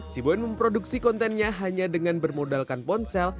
si boen memproduksi kontennya hanya dengan bermodalkan ponsel